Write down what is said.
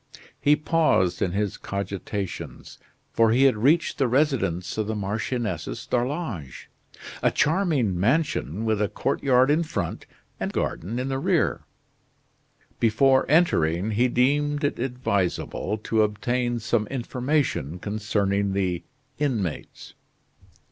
He paused in his cogitations, for he had reached the residence of the Marchioness d'Arlange a charming mansion with a courtyard in front and garden in the rear. Before entering, he deemed it advisable to obtain some information concerning the inmates.